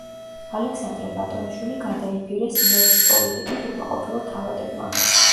ალექსანდრე ბატონიშვილი გადაიბირეს მეფის პოლიტიკით უკმაყოფილო თავადებმა.